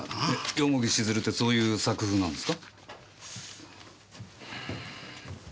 蓬城静流ってそういう作風なんですか？